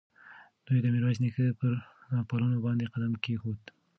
دوی د میرویس نیکه پر پلونو باندې قدم کېښود.